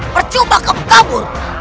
percoba kamu kabur